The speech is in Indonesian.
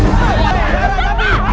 weh gara tapi